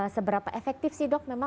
seberapa efektif sih dok